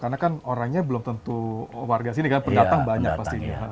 karena kan orangnya belum tentu warga sini kan pendataan banyak pasti